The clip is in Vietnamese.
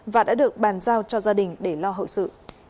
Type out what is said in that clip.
và đã được bàn giao cho gia đình để lo hậu sự